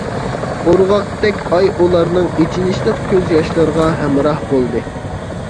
ئورغاقتەك ئاي ئۇلارنىڭ ئېچىنىشلىق كۆز ياشلىرىغا ھەمراھ بولدى.